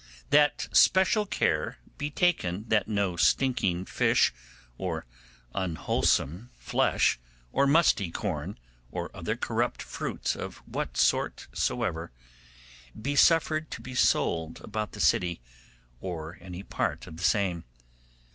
'That special care be taken that no stinking fish, or unwholesome flesh, or musty corn, or other corrupt fruits of what sort soever, be suffered to be sold about the city, or any part of the same.